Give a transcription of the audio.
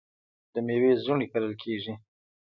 د میوو زړې کرل کیږي.